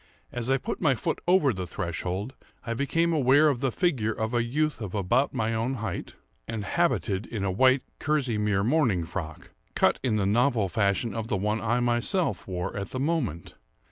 As I put my foot over the threshold, I became aware of the figure of a youth about my own height, and habited in a white kerseymere morning frock, cut in the novel fashion of the one I myself wore at the moment.